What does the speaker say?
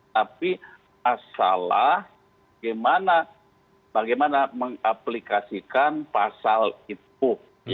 tapi masalah bagaimana mengaplikasikan pasal itu